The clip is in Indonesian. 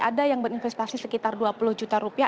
ada yang berinvestasi sekitar dua puluh juta rupiah